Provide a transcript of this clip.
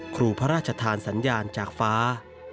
ครูพระราชทานสัญญาณจากฟ้า